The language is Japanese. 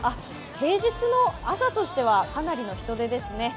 平日の朝としてはかなりの人出ですね。